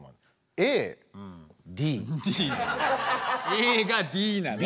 ＡがＤなの？